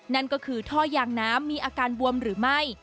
นั่นก็คือท่อยางน้ำมีอาการบวมหรือไม่